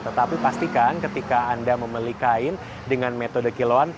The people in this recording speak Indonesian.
tetapi pastikan ketika anda membeli kain dengan metode kiloan